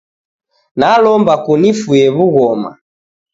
Nalomba kunifuye w'ughoma.